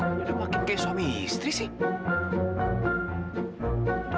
kok ini ada wakil kayak suami istri sih